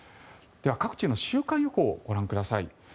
では、各地の週間予報をご覧ください。